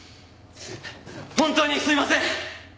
本当にすいません！